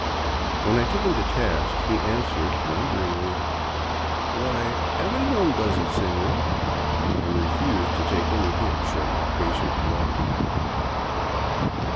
When I took him to task, he answered wonderingly, " Why, every one does it, senor," and refused to take any hint short of a basin of water.